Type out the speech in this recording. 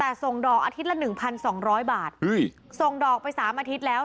แต่ส่งดอกอาทิตย์ละหนึ่งพันสองร้อยบาทเฮ้ยส่งดอกไปสามอาทิตย์แล้ว